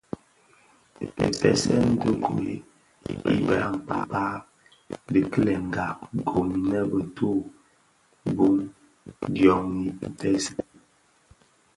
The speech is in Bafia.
Dhipèseèn ti gwed i be ya mpkag di kilenga gom imë bituu bum dyoň npèsèn.